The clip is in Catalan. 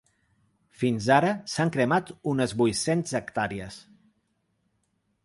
Fins ara s’han cremat unes vuit-cents hectàrees.